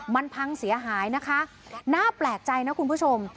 มันพังเสียหายนะคะน่าแปลกใจนะคุณผู้ชม